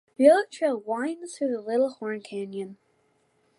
The other trail winds through the Little Horn Canyon.